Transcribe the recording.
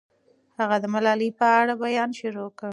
هغه د ملالۍ په اړه بیان شروع کړ.